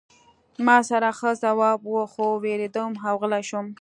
ما سره ښه ځواب و خو ووېرېدم او غلی شوم